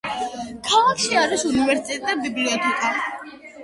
ქალაქში არის უნივერსიტეტი და ბიბლიოთეკა.